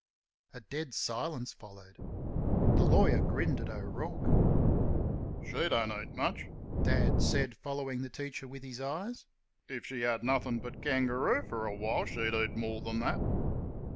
A dead silence followed. The lawyer grinned at O'Rourke. "She don't eat much," Dad said, following the teacher with his eyes. "If she had nothin' but kangaroo for a while she'd eat more than that!"